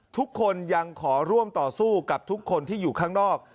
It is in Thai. ทุกคนยังขอร่วมต่อสู้กับทุกคนที่อยู่ข้างนอก